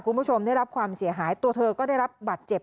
คุณผู้ชมได้รับความเสียหายตัวเธอก็ได้รับบัตรเจ็บ